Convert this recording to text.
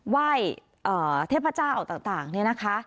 ว่ายเทพเจ้าต่างนะคะ